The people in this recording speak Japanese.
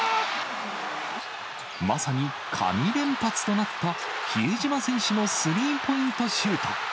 まさに神連発となった比江島選手のスリーポイントシュート。